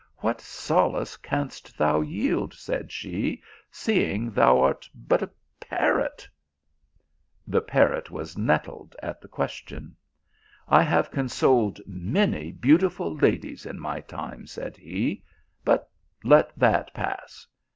what so; ace canst thou yield," said she, "seeing thou art but a parrot !" The parrot was nettled at the question. " I have consoled many beautiful ladies in my time," said he ;" but let that pass.